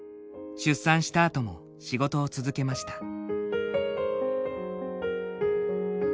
出産したあとも仕事を続けました。